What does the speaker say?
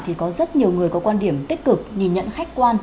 thì có rất nhiều người có quan điểm tích cực nhìn nhận khách quan